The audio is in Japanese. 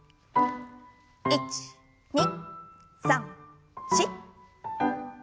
１２３４。